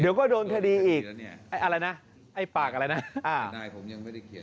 เดี๋ยวก็โดนคดีอีกไอ้อะไรนะไอ้ปากอะไรนะอ่านายผมยังไม่ได้เขียน